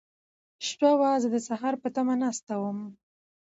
شپه وه، زه د سهار په تمه ناست وم.